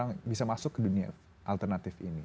untuk orang bisa masuk ke dunia alternatif ini